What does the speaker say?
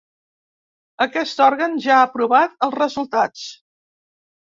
Aquest òrgan ja ha aprovat els resultats.